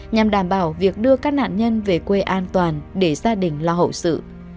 nhằm đảm bảo việc đưa các nạn nhân về quê an toàn để gia đình lo hậu sự